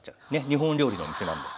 日本料理のお店なんで。